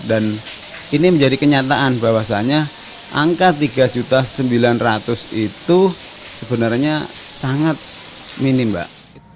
dan ini menjadi kenyataan bahwasannya angka tiga sembilan ratus itu sebenarnya sangat minim mbak